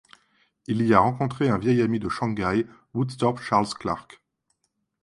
Il y a rencontré un vieil ami de Shanghai, Woodthorpe Charles Clarke.